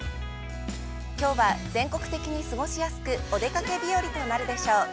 きょうは全国的に過ごしやすく、お出かけ日和となるでしょう。